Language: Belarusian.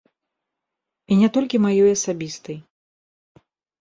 І не толькі маёй асабістай.